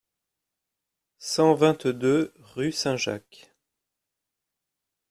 cent vingt-deux rUE SAINT-JACQUES